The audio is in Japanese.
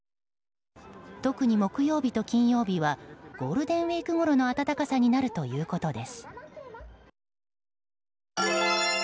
特に木曜日と金曜日はゴールデンウィークごろの暖かさになるということです。